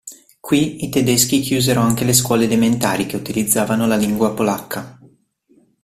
Qui, i tedeschi chiusero anche le scuole elementari che utilizzavano la lingua polacca.